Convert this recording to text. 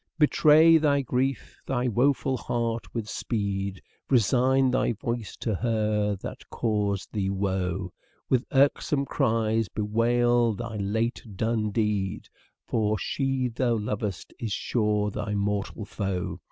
Betray thy grief thy woeful heart with speed ; Resign thy voice to her that caused thee woe ; With irksome cries bewail thy late done deed, For she thou lov'st is sure thy mortal foe.